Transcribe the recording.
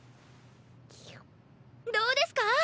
どうですか？